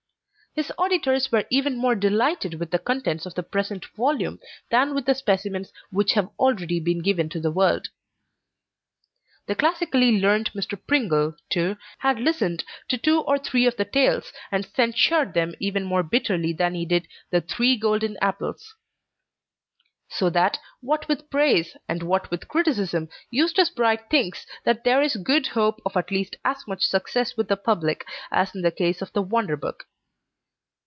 His auditors were even more delighted with the contents of the present volume than with the specimens which have already been given to the world. The classically learned Mr. Pringle, too, had listened to two or three of the tales, and censured them even more bitterly than he did THE THREE GOLDEN APPLES; so that, what with praise, and what with criticism, Eustace Bright thinks that there is good hope of at least as much success with the public as in the case of the "WonderBook."